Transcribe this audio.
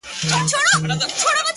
تاته سلام په دواړو لاسو كوم’